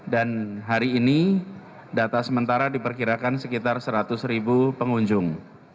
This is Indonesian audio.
dan hari ini data sementara diperkirakan sekitar seratus ribu pengunjung